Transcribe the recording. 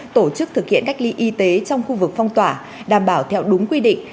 tổ chức thực hiện cách ly y tế trong khu vực phong tỏa đảm bảo theo đúng quy định